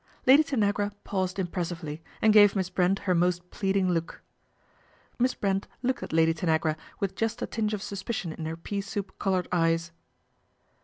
Lady Tanagra paused impressively, and gave Miss Brent her most pleading look. Miss Brent looked at Lady Tanagra with just a tinge of suspicion in her pea soup coloured eyes.